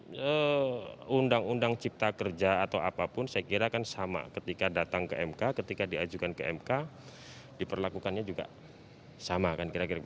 nah undang undang cipta kerja atau apapun saya kira kan sama ketika datang ke mk ketika diajukan ke mk diperlakukannya juga sama kan kira kira